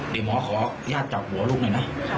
เดี๋ยวหมอขออนุญาตจับหัวลูกหน่อยนะ